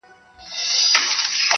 کيسه د عبرت بڼه اخلي تل,